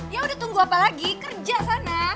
ya udah tunggu apa lagi kerja sana